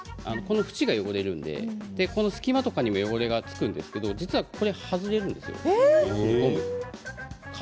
縁が汚れますので、隙間にも汚れが付くんですけど実は、これ外れるんですよ